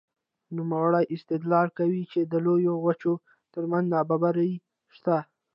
نوموړی استدلال کوي چې د لویو وچو ترمنځ نابرابري شته.